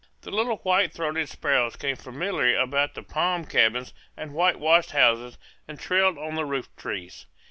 The little white throated sparrows came familiarly about the palm cabins and whitewashed houses and trilled on the rooftrees.